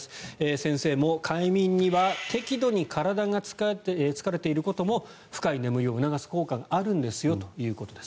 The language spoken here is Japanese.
先生も快眠には適度に体が疲れていることも深い眠りを促す効果があるんですよということです。